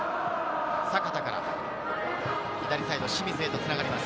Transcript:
阪田から左サイドの清水へとつながります。